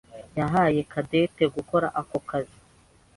yahaye Cadette gukora ako kazi.